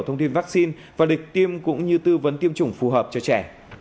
thông tin vaccine và lịch tiêm cũng như tư vấn tiêm chủng phù hợp cho trẻ